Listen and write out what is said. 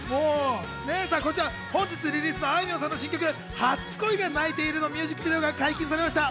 こちら、本日リリースされたあいみょんさんの新曲『初恋が泣いている』のミュージックビデオが解禁されました。